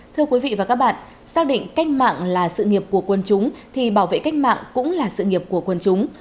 thưa quý vị và các bạn xác định cách mạng là sự nghiệp của quân chúng thì bảo vệ cách mạng cũng là sự nghiệp của quân chúng